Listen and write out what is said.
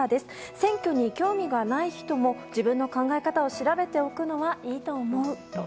選挙に興味がない人も自分の考え方を調べておくのはいいと思うと。